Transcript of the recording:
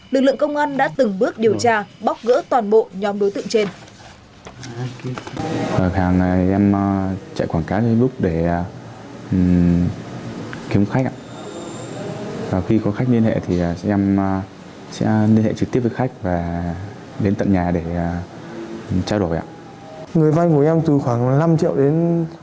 lực lượng công an đã từng bước điều tra bóc gỡ toàn bộ nhóm đối tượng trên